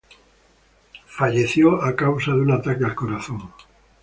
Falleció a causa de un ataque al corazón.